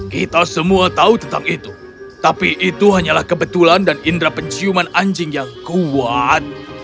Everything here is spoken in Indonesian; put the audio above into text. kita semua tahu tentang itu tapi itu hanyalah kebetulan dan indera penciuman anjing yang kuat